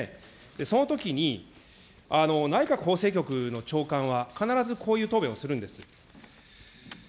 そのときに、内閣法制局の長官は必ずこういう答弁をするんです。